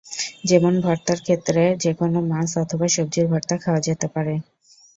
যেমন ভর্তার ক্ষেত্রে যেকোনো মাছ অথবা সবজির ভর্তা খাওয়া যেতে পারে।